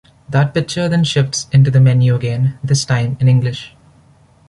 That picture then shifts into the menu again, this time in English.